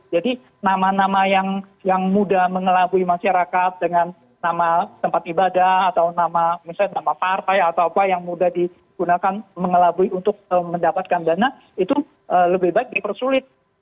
jadi nama nama yang mudah mengelabui masyarakat dengan nama tempat ibadah atau nama partai atau apa yang mudah digunakan mengelabui untuk mendapatkan dana itu lebih baik dipersulit